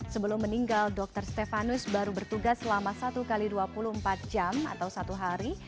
sebelum meninggal dokter stefanus baru bertugas selama satu x dua puluh empat jam atau satu hari